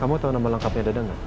kamu tau nama lengkapnya dadang pak